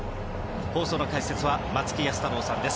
放送の解説は松木安太郎さんです。